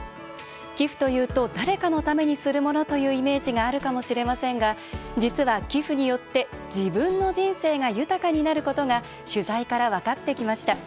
寄付というと誰かのためにするものというイメージがあるかもしれませんが実は寄付によって自分の人生が豊かになることが取材から分かってきました。